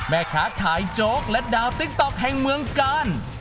แม่ค้าขายโจ๊กและดาวติ๊กต๊อกแห่งเมืองกาล